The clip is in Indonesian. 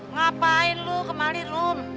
ngapain lo kemali rum